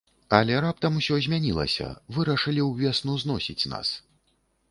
Але раптам усё змянілася, вырашылі ўвесну зносіць нас.